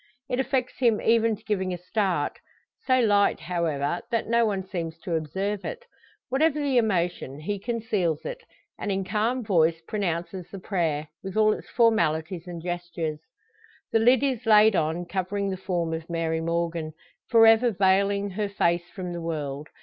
It affects him even to giving a start; so light, however, that no one seems to observe it. Whatever the emotion, he conceals it; and in calm voice pronounces the prayer, with all its formalities and gestures. The lid is laid on, covering the form of Mary Morgan for ever veiling her face from the world.